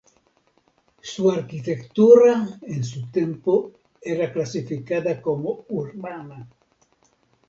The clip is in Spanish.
Su arquitectura en su tiempo era clasificada como urbana.